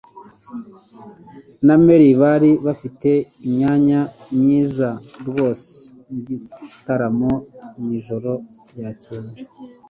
na Mary bari bafite imyanya myiza rwose mugitaramo mwijoro ryakeye